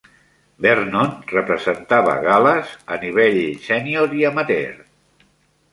Vernon representava Gal·les a nivell sènior i amateur.